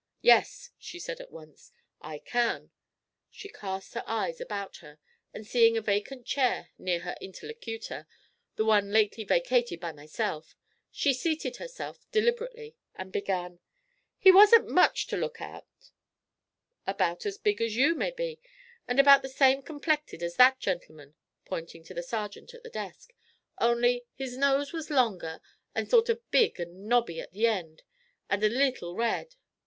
'Yes,' she said at once; 'I can.' She cast her eyes about her, and, seeing a vacant chair near her interlocutor the one lately vacated by myself she seated herself deliberately, and began: 'He wasn't much to look at; about as big as you, mebbe, and about the same complected as that gentleman,' pointing to the sergeant at the desk, 'only his nose was longer, and sort of big and nobby at the end, an' a leetle red.